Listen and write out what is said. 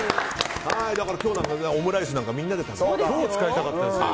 だから今日のオムライスなんかは今日使いたかったですよ。